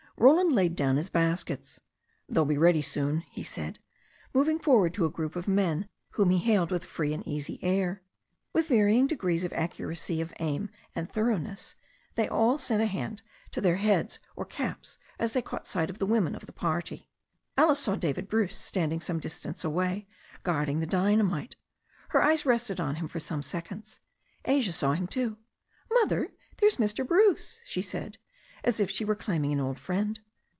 Roland laid down his baskets. "They'll be ready soon," he said, moving forward to a group of men, whom he hailed with a free and easy air. With varying degrees of accuracy of aim and thorough ness, they all sent a hand to their heads or caps as they caught sight of the women of the party. Alice saw David Bruce standing some distance away, guarding the dynamite. Her eyes rested on him for some seconds. Asia saw him too. "Mother, there's Mr. Bruce," she said, as if she were claiming an old friend.